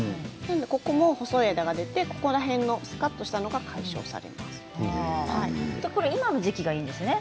ここも細い枝が出てこの辺のすかっとしたところが今の時期がいいんですね。